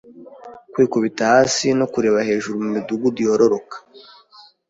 Kwikubita hasi no kureba hejuru mu midugudu yororoka